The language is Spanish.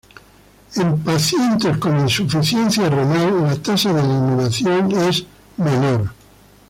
En pacientes con insuficiencia renal la tasa de eliminación es menor.